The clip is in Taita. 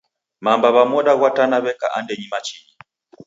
Mamba w'a moda ghwa Tana w'eka andenyi machinyi.